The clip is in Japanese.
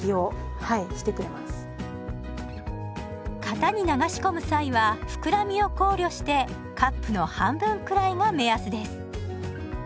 型に流し込む際は膨らみを考慮してカップの半分くらいが目安です。